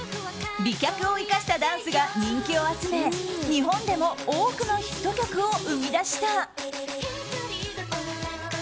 美脚を生かしたダンスが人気を集め日本でも多くのヒット曲を生み出した。